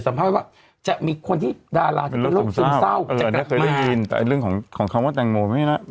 สัมภาษณ์ว่าจะมีคนที่ดาราจะเป็นโรคซึมเศร้าเออเนี่ยเคยได้ยินแต่เรื่องของของคำว่าแตงโมไม่ได้นะ